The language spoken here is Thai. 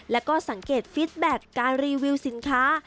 แล้วก็สังเกตฟิตแบตการรีวิวสินค้า